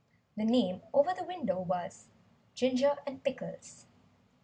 The name over the window was "Ginger and Pickles."